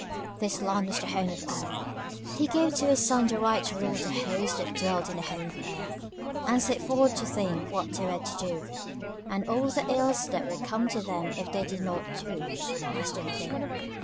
This land was the Home of Earth. He gave to his Son the right to rule the host that dwelt in the Home of Earth, and set forth to think what they were to do, and all the ills that would come to them if they did not do as they were bid.